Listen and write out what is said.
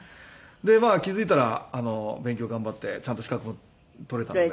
でまあ気付いたら勉強頑張ってちゃんと資格も取れたので。